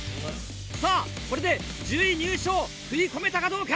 さぁこれで１０位入賞食い込めたかどうか。